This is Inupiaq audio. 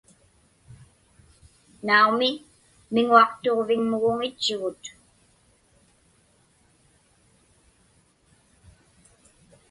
Naumi, miŋuaqtuġviŋmuguŋitchugut.